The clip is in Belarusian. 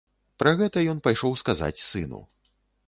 Пра гэта ён пайшоў сказаць сыну.